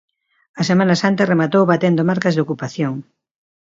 A Semana Santa rematou batendo marcas de ocupación.